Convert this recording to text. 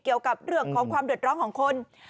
เกี่ยวกับเรื่องของความเดือดร้อนของคน